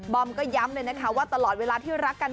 อมก็ย้ำเลยนะคะว่าตลอดเวลาที่รักกัน